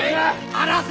離せ！